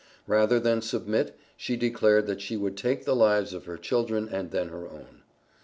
Rather than submit, she declared that she would take the lives of her children and then her own.